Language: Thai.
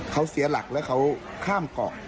เขาเสียหลักแล้วเขาข้ามเกาะ